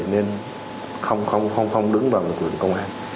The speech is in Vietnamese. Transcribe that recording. thêu không đứng vào lực lượng công an